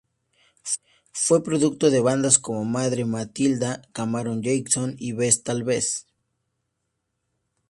Fue productor de bandas como Madre Matilda, Camarón Jackson y Ves Tal Vez.